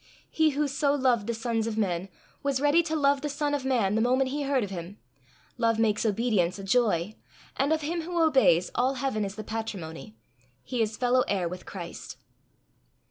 He who so loved the sons of men was ready to love the Son of Man the moment he heard of him; love makes obedience a joy; and of him who obeys, all heaven is the patrimony he is fellow heir with Christ.